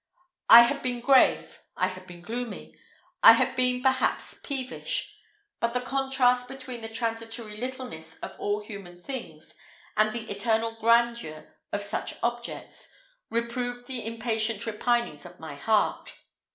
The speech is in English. I had been grave, I had been gloomy I had been perhaps peevish but the contrast between the transitory littleness of all human things, and the eternal grandeur of such objects, reproved the impatient repinings of my heart.